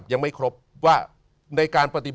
ยังไม่ครบว่า